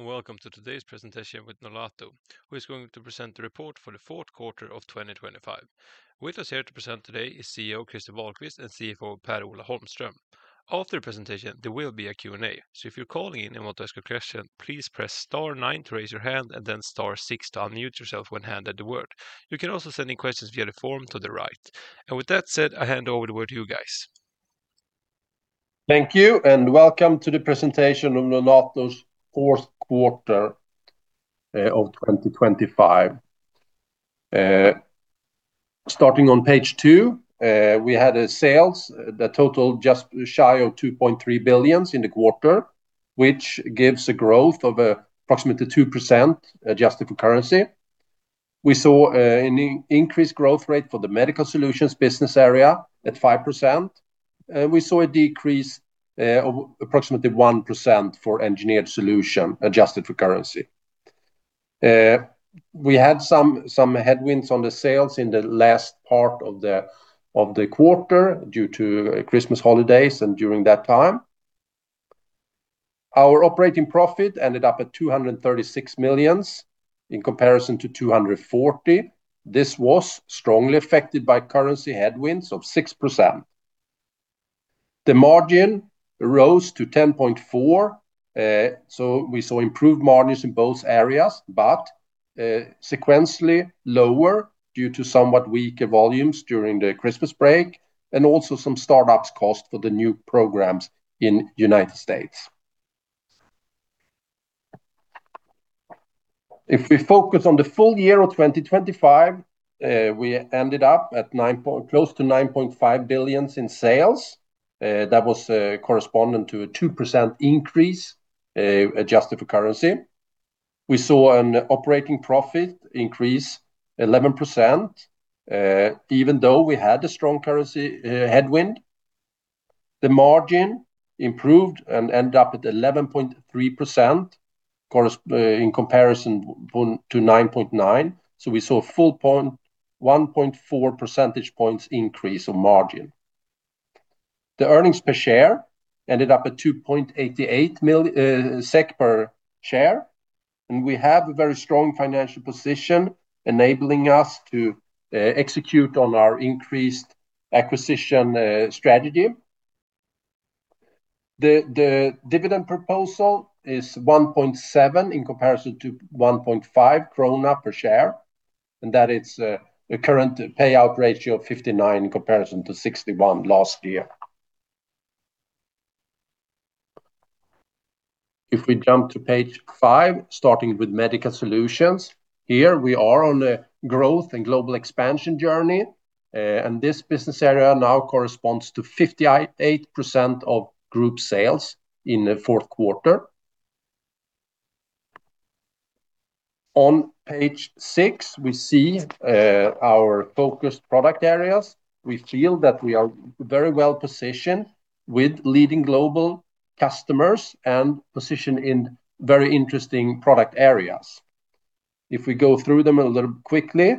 Hello, and welcome to today's presentation with Nolato, who is going to present the report for the fourth quarter of 2025. With us here to present today is CEO Christer Wahlquist, and CFO Per-Ola Holmström. After the presentation, there will be a Q&A, so if you're calling in and want to ask a question, please press star nine to raise your hand, and then star six to unmute yourself when handed the word. You can also send in questions via the form to the right. And with that said, I hand over the word to you guys. Thank you, and welcome to the presentation of Nolato's fourth quarter of 2025. Starting on page two, we had sales, the total just shy of 2.3 billion in the quarter, which gives a growth of approximately 2% adjusted for currency. We saw an increased growth rate for the Medical Solutions business area at 5%. We saw a decrease of approximately 1% for Engineered Solutions, adjusted for currency. We had some headwinds on the sales in the last part of the quarter due to Christmas holidays and during that time. Our operating profit ended up at 236 million, in comparison to 240. This was strongly affected by currency headwinds of 6%. The margin rose to 10.4%, so we saw improved margins in both areas, but sequentially lower due to somewhat weaker volumes during the Christmas break, and also some startup costs for the new programs in United States. If we focus on the full year of 2025, we ended up at close to 9.5 billion in sales. That was corresponding to a 2% increase, adjusted for currency. We saw an operating profit increase 11%, even though we had a strong currency headwind. The margin improved and ended up at 11.3%, corresponding to 9.9%. So we saw a full point, 1.4 percentage points increase on margin. The earnings per share ended up at 2.88 SEK per share, and we have a very strong financial position, enabling us to execute on our increased acquisition strategy. The dividend proposal is 1.7 SEK, in comparison to 1.5 krona per share, and that's a current payout ratio of 59% in comparison to 61% last year. If we jump to page 5, starting with Medical Solutions, here we are on the growth and global expansion journey, and this business area now corresponds to 58% of group sales in the fourth quarter. On page 6, we see our focused product areas. We feel that we are very well positioned with leading global customers and positioned in very interesting product areas. If we go through them a little quickly,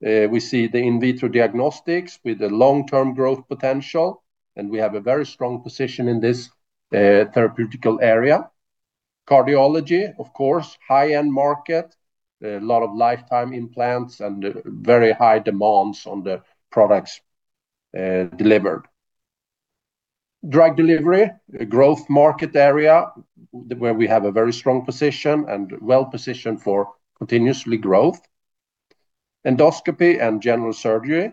we see the In Vitro Diagnostics with the long-term growth potential, and we have a very strong position in this, therapeutic area. Cardiology, of course, high-end market, a lot of lifetime implants and very high demands on the products, delivered. Drug Delivery, a growth market area, where we have a very strong position, and well-positioned for continuous growth., it's a changing market. It's Endoscopy and General Surgery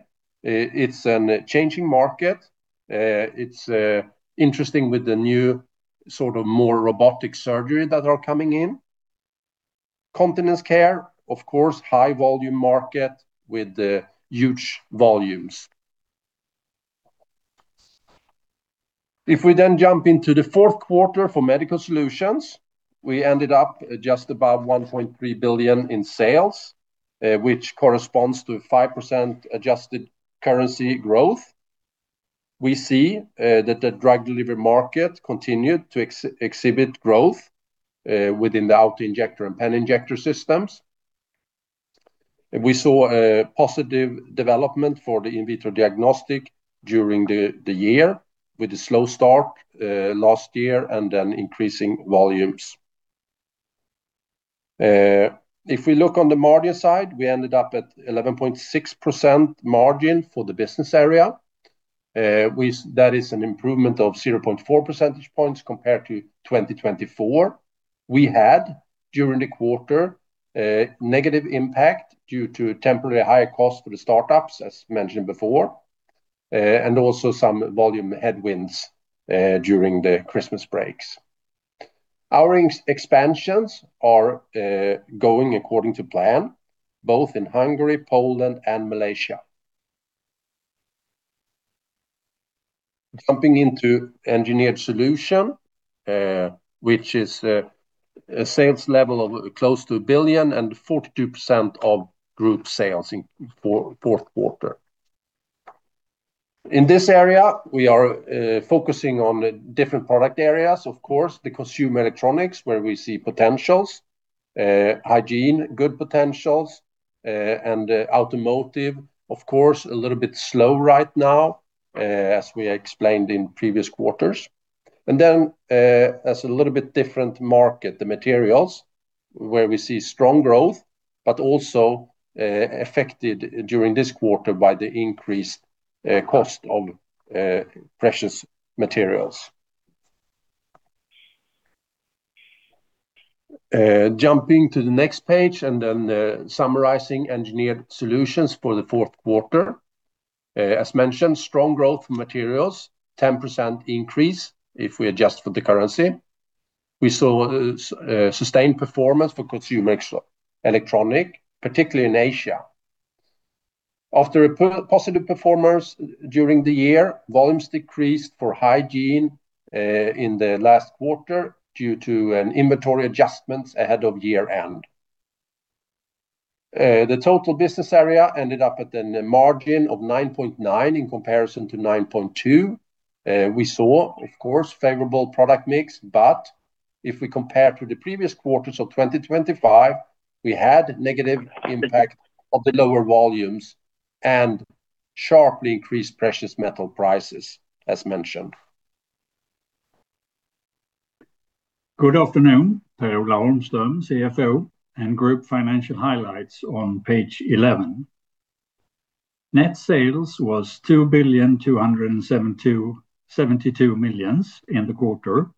interesting with the new sort of more robotic surgery that are coming in. Continence Care, of course, high volume market with, huge volumes. If we then jump into the fourth quarter for medical solutions, we ended up just above 1.3 billion in sales, which corresponds to a 5% adjusted currency growth. We see that the drug delivery market continued to exhibit growth within the auto-injector and pen injector systems. We saw a positive development for the in vitro diagnostic during the year, with a slow start last year, and then increasing volumes. If we look on the margin side, we ended up at 11.6% margin for the business area. That is an improvement of 0.4 percentage points compared to 2024. We had, during the quarter, a negative impact due to temporary higher cost for the startups, as mentioned before, and also some volume headwinds during the Christmas breaks. Our expansions are going according to plan, both in Hungary, Poland, and Malaysia. Jumping into Engineered Solutions, which is a sales level of close to 1 billion and 42% of group sales in the fourth quarter. In this area, we are focusing on the different product areas, of course, the Consumer Electronics, where we see potentials. Hygiene, good potentials, and Automotive, of course, a little bit slow right now, as we explained in previous quarters. As a little bit different market, the Materials, where we see strong growth, but also affected during this quarter by the increased cost of precious materials. Jumping to the next page, and then summarizing Engineered Solutions for the fourth quarter. As mentioned, strong growth for Materials, 10% increase if we adjust for the currency. We saw sustained performance for Consumer Electronics, particularly in Asia. After a positive performance during the year, volumes decreased for Hygiene in the last quarter due to an inventory adjustments ahead of year-end. The total business area ended up at the margin of 9.9 in comparison to 9.2. We saw, of course, favorable product mix, but if we compare to the previous quarters of 2025, we had negative impact of the lower volumes and sharply increased precious metal prices, as mentioned. Good afternoon. Per-Ola Holmström, CFO, and group financial highlights on page 11. Net sales was 2,272 million SEK in the quarter,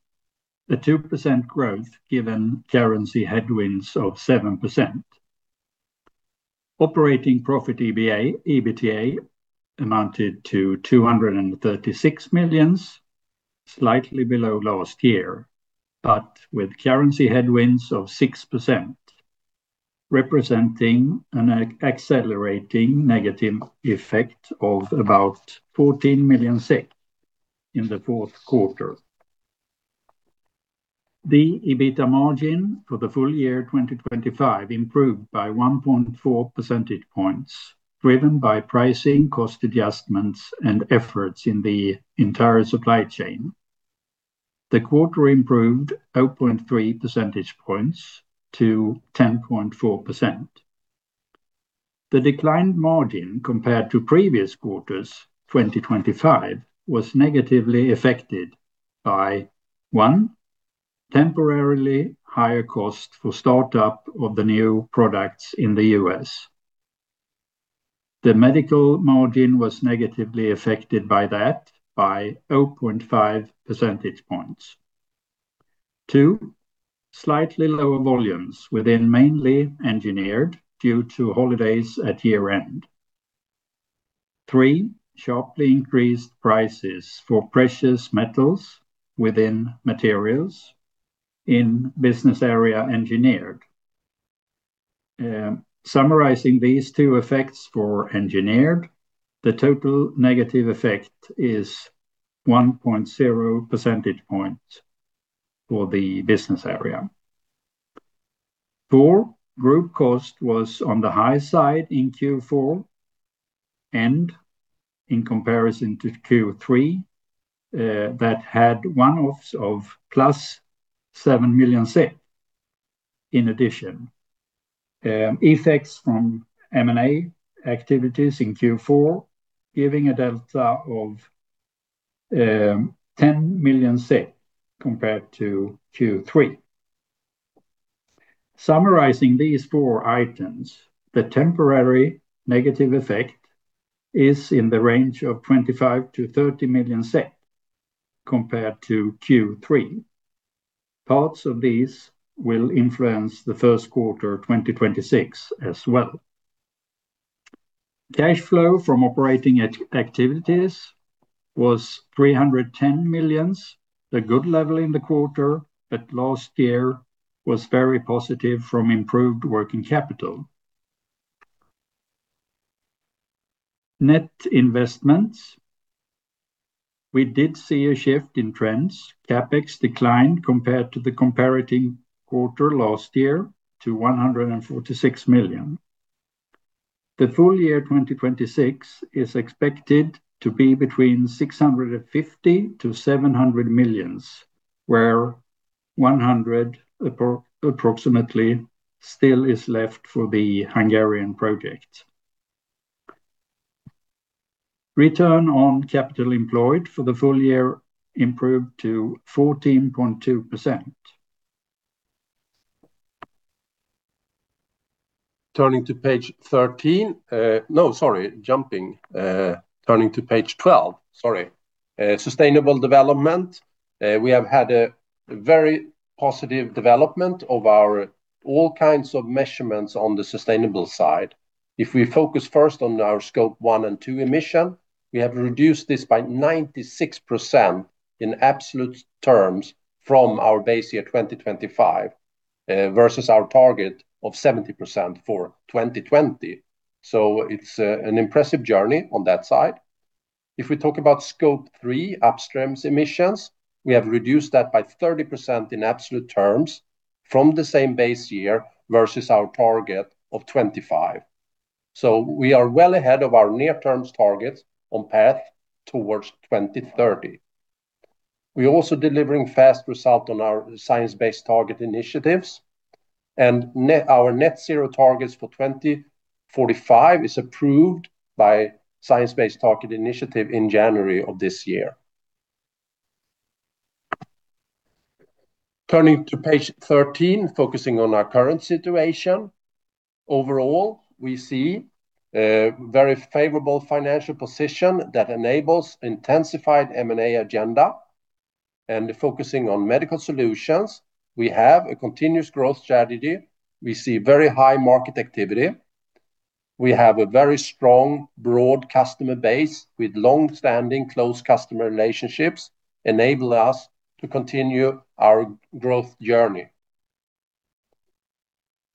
a 2% growth, given currency headwinds of 7%. Operating profit, EBITDA, amounted to 236 million SEK, slightly below last year, but with currency headwinds of 6%, representing an accelerating negative effect of about 14 million SEK in the fourth quarter. The EBITDA margin for the full year 2025 improved by 1.4 percentage points, driven by pricing, cost adjustments, and efforts in the entire supply chain. The quarter improved 0.3 percentage points to 10.4%. The declined margin compared to previous quarters, 2025, was negatively affected by, one, temporarily higher cost for startup of the new products in the US. The Medical margin was negatively affected by that, by 0.5 percentage points. Two, slightly lower volumes within mainly Engineered due to holidays at year-end. Three, sharply increased prices for precious metals within materials in business area Engineered. Summarizing these two effects for Engineered, the total negative effect is 1.0 percentage points for the business area. Four, group cost was on the high side in Q4, and in comparison to Q3, that had one-offs of +7 million SEK in addition. Effects from M&A activities in Q4, giving a delta of 10 million SEK compared to Q3. Summarizing these four items, the temporary negative effect is in the range of 25-30 million SEK compared to Q3. Parts of these will influence the first quarter 2026, as well. Cash flow from operating activities was 310 million, a good level in the quarter, but last year was very positive from improved working capital. Net investments, we did see a shift in trends. CapEx declined compared to the comparative quarter last year to 146 million. The full year 2026 is expected to be between 650 million-700 million, where one hundred approximately still is left for the Hungarian project. Return on capital employed for the full year improved to 14.2%. Turning to page thirteen, no, sorry, jumping, turning to page twelve, sorry. Sustainable development. We have had a very positive development of our all kinds of measurements on the sustainable side. If we focus first on our Scope 1 and 2 emission, we have reduced this by 96% in absolute terms from our base year 2025 versus our target of 70% for 2020. So it's an impressive journey on that side. If we talk about Scope 3, upstream emissions, we have reduced that by 30% in absolute terms from the same base year versus our target of 25. So we are well ahead of our near-term targets on path towards 2030. We're also delivering fast result on our science-based target initiatives, and our net zero targets for 2045 is approved by Science Based Targets initiative in January of this year. Turning to page 13, focusing on our current situation. Overall, we see very favorable financial position that enables intensified M&A agenda. And focusing on Medical Solutions, we have a continuous growth strategy. We see very high market activity. We have a very strong, broad customer base, with long-standing close customer relationships, enabling us to continue our growth journey.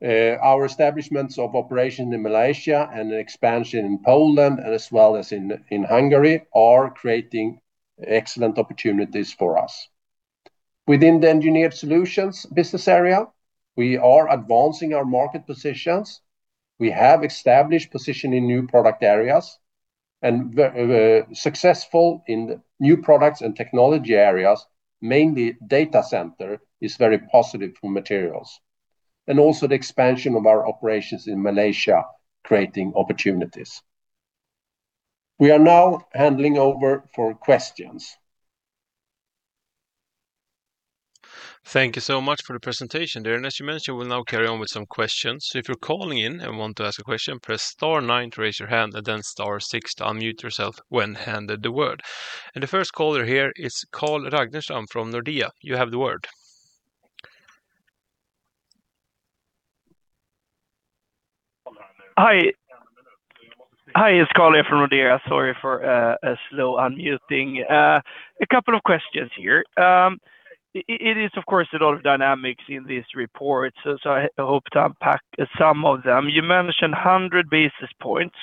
Our establishments of operation in Malaysia and an expansion in Poland and as well as in Hungary, are creating excellent opportunities for us. Within the Engineered Solutions business area, we are advancing our market positions. We have established position in new product areas, and successful in new products and technology areas, mainly data center, is very positive for materials. Also the expansion of our operations in Malaysia, creating opportunities. We are now handing over for questions. Thank you so much for the presentation, Gentleman. As you mentioned, we'll now carry on with some questions. So if you're calling in and want to ask a question, press star nine to raise your hand and then star six to unmute yourself when handed the word. The first caller here is Carl Ragnerstam from Nordea. You have the word. Hi. Hi, it's Carl here from Nordea. Sorry for a slow unmuting. A couple of questions here. It is, of course, a lot of dynamics in this report, so I hope to unpack some of them. You mentioned 100 basis points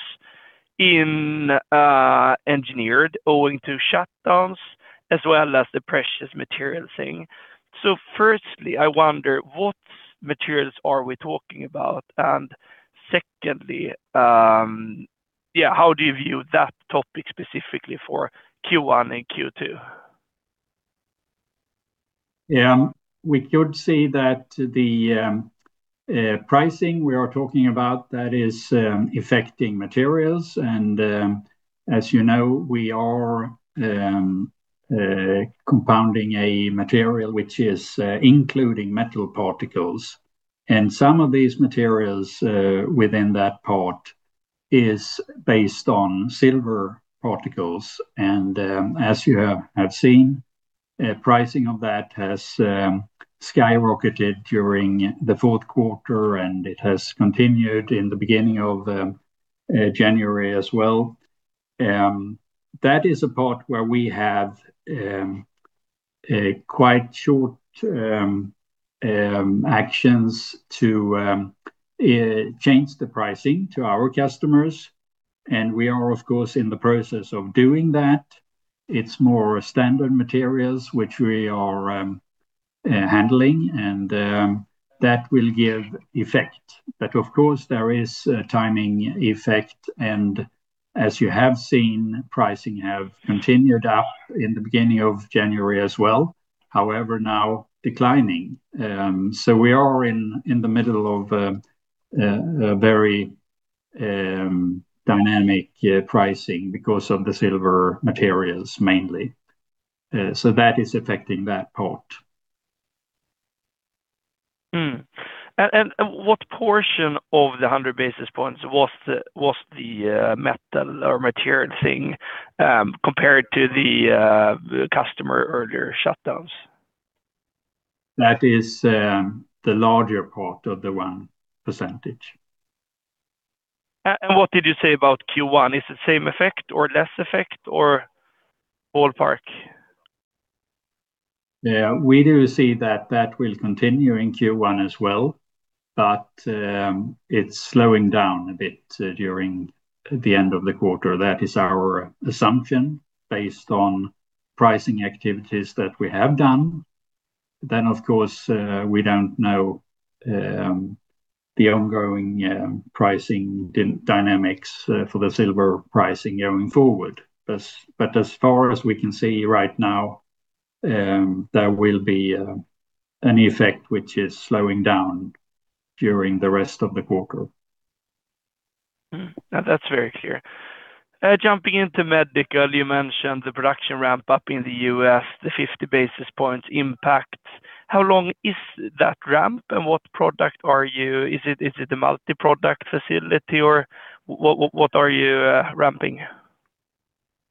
in Engineered owing to shutdowns, as well as the precious material thing. So firstly, I wonder, what materials are we talking about? And secondly, yeah, how do you view that topic specifically for Q1 and Q2? Yeah, we could say that the pricing we are talking about, that is affecting materials. As you know, we are compounding a material which is including metal particles. Some of these materials within that part is based on silver particles. As you have seen, pricing of that has skyrocketed during the fourth quarter, and it has continued in the beginning of January as well. That is a part where we have a quite short actions to change the pricing to our customers, and we are, of course, in the process of doing that. It's more standard materials which we are handling, and that will give effect. But of course, there is a timing effect, and as you have seen, pricing have continued up in the beginning of January as well, however, now declining. So we are in the middle of a very dynamic pricing because of the silver materials, mainly. So that is affecting that part. And what portion of the 100 basis points was the metal or material thing compared to the customer order shutdowns? That is, the larger part of the 1%. What did you say about Q1? Is it same effect or less effect or ballpark? Yeah, we do see that that will continue in Q1 as well, but, it's slowing down a bit, during the end of the quarter. That is our assumption, based on pricing activities that we have done. Then, of course, we don't know, the ongoing, pricing dynamics, for the silver pricing going forward. But as far as we can see right now, there will be, an effect which is slowing down during the rest of the quarter. Now, that's very clear. Jumping into Medical, you mentioned the production ramp-up in the US, the 50 basis points impact. How long is that ramp, and is it a multi-product facility, or what are you ramping?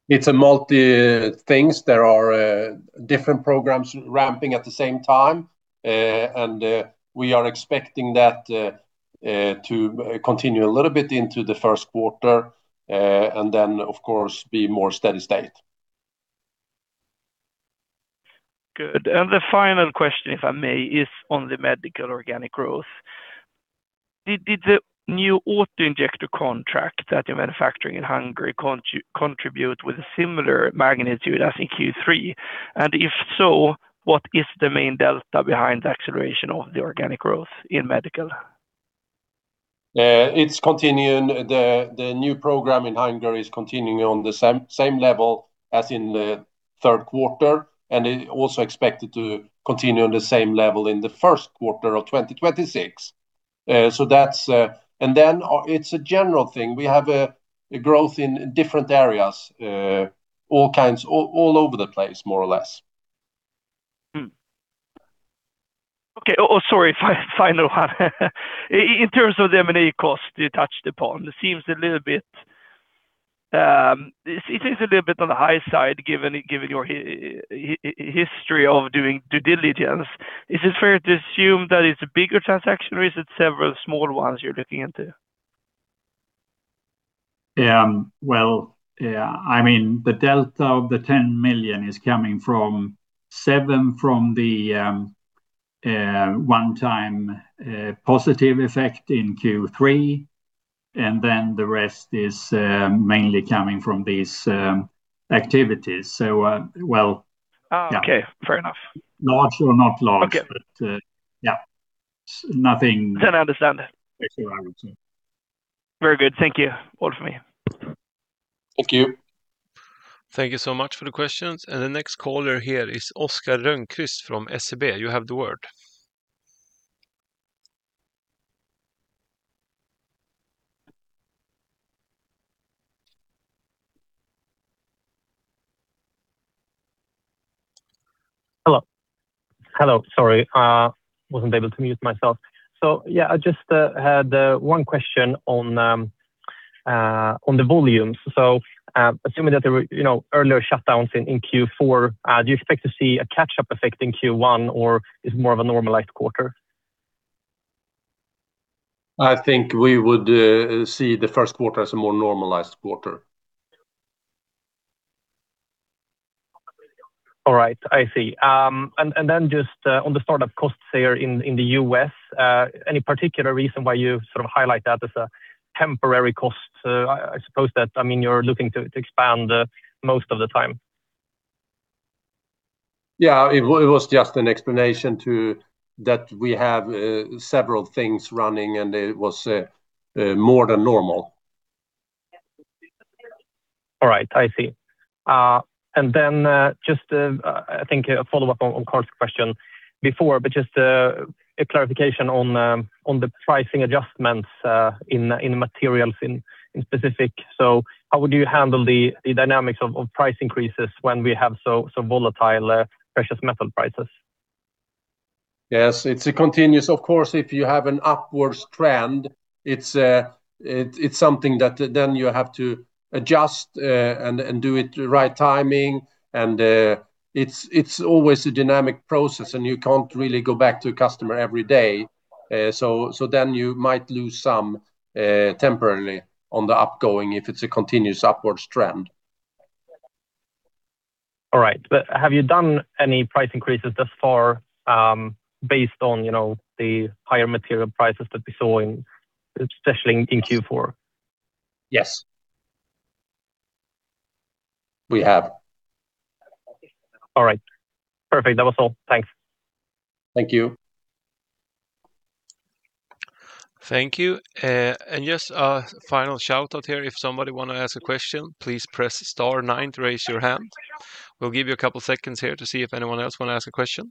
It's a multi things. There are different programs ramping at the same time, and we are expecting that to continue a little bit into the first quarter, and then, of course, be more steady state. Good. And the final question, if I may, is on the Medical organic growth. Did the new auto-injector contract that you're manufacturing in Hungary contribute with a similar magnitude as in Q3? And if so, what is the main delta behind the acceleration of the organic growth in Medical?... It's continuing, the new program in Hungary is continuing on the same level as in the third quarter, and it also expected to continue on the same level in the first quarter of 2026. So that's... Then, it's a general thing. We have a growth in different areas, all kinds, all over the place, more or less. Okay. Oh, oh, sorry, final one. In terms of the M&A cost you touched upon, it seems a little bit, it is a little bit on the high side, given your history of doing due diligence. Is it fair to assume that it's a bigger transaction, or is it several small ones you're looking into? Well, yeah, I mean, the delta of 10 million is coming from seven from the one-time positive effect in Q3, and then the rest is mainly coming from these activities. So, well- Okay. Yeah. Fair enough. Large or not large- Okay... but, yeah. Nothing- I understand that. Extra large. Very good. Thank you. All for me. Thank you. Thank you so much for the questions. The next caller here is Oscar Rönnkvist from SEB. You have the word. Hello. Hello, sorry, wasn't able to mute myself. So, yeah, I just had one question on the volumes. So, assuming that there were, you know, earlier shutdowns in Q4, do you expect to see a catch-up effect in Q1, or is it more of a normalized quarter? I think we would see the first quarter as a more normalized quarter. All right. I see. And then just on the start-up costs there in the US, any particular reason why you sort of highlight that as a temporary cost? I suppose that, I mean, you're looking to expand most of the time. Yeah, it was just an explanation to... that we have several things running, and it was more than normal. All right. I see. And then, just, I think a follow-up on Carl's question before, but just a clarification on the pricing adjustments in materials, in specific. So how would you handle the dynamics of price increases when we have so volatile precious metal prices? Yes, it's a continuous... Of course, if you have an upward trend, it's something that then you have to adjust and do it the right timing. And, it's always a dynamic process, and you can't really go back to a customer every day. So then you might lose some temporarily on the upgoing if it's a continuous upward trend. All right. But have you done any price increases thus far, based on, you know, the higher material prices that we saw in, especially in Q4? Yes. We have. All right. Perfect. That was all. Thanks. Thank you. Thank you. And just a final shout-out here, if somebody want to ask a question, please press star nine to raise your hand. We'll give you a couple seconds here to see if anyone else want to ask a question.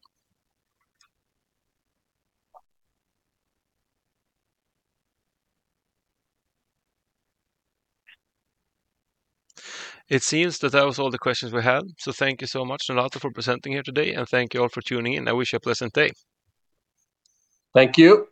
It seems that that was all the questions we had. So thank you so much, Nolato, for presenting here today, and thank you all for tuning in. I wish you a pleasant day. Thank you.